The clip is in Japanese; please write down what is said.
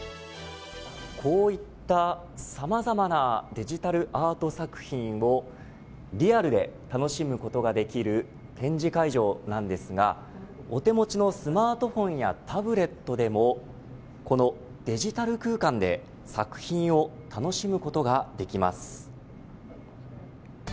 こういったさまざまなデジタルアート作品をリアルで楽しむことができる展示会場なんですが、お手持ちのスマートフォンやタブレットでもこのデジタル空間で作品を楽しむことができます。